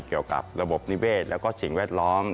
เกี่ยวกับระบบนิเวศแล้วก็สิ่งแวดล้อม